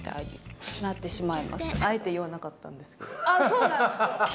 あっそうなんだ。